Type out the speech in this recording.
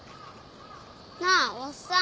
なあおっさん